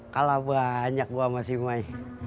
kalah banyak gue sama si mai